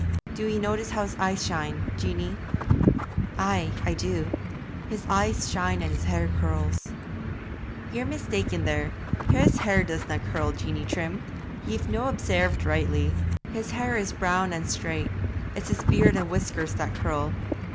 Do ye notice how his eyes shine, Jeanie?' 'Ay, do I; his eyes shine and his hair curls.' 'Ye're mistaken there, his hair doesna curl, Jeanie Trim ye've no' obsairved rightly; his hair is brown and straight; it's his beard and whiskers that curl.